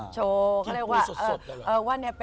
โชว์เขาเรียกว่าสุด